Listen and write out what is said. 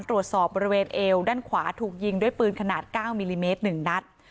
ตรวจสอบบริเวณเอวด้านขวาถูกยิงด้วยปืนขนาด๙มิลลิเมตร๑นัด